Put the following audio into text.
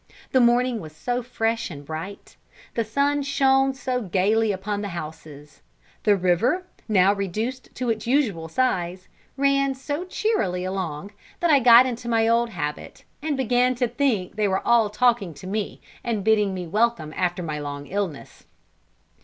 The morning was so fresh and bright; the sun shone so gaily upon the houses; the river, now reduced to its usual size, ran so cheerily along, that I got into my old habit, and began to think they were all talking to me and bidding me welcome after my long illness.